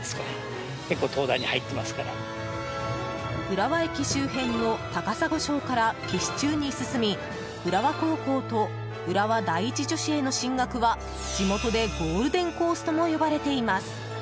浦和駅周辺の高砂小から岸中に進み浦和高校と浦和第一女子への進学は地元でゴールデンコースとも呼ばれています。